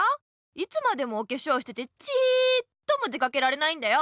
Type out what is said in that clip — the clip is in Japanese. いつまでもおけしょうしててちっとも出かけられないんだよ。